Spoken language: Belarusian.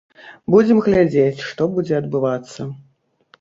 Будзем глядзець, што будзе адбывацца.